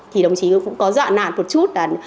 thì đồng chí cũng có dọa nản một chút